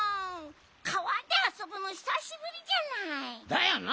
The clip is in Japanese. かわであそぶのひさしぶりじゃない！だよな！